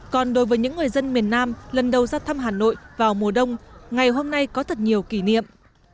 còn đối với những người dân miền nam lần đầu ra thăm hà nội vào mùa đông ngày hôm nay có thật nhiều kỷ niệm